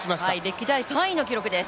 歴代３位の記録です。